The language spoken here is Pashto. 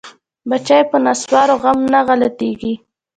بچيه په نسوارو غم نه غلطيګي.